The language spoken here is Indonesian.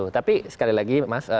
tapi sekali lagi mas